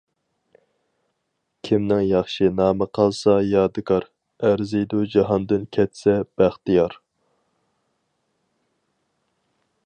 كىمنىڭ ياخشى نامى قالسا يادىكار، ئەرزىيدۇ جاھاندىن كەتسە بەختىيار.